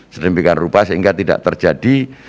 sedemikian rupa sehingga tidak terjadi